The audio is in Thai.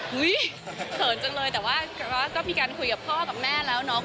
เขินจังเลยแต่ว่าก็มีการคุยกับพ่อกับแม่แล้วเนาะ